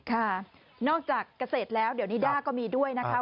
ค่ะนอกจากเกษตรแล้วเดี๋ยวนิด้าก็มีด้วยนะคะ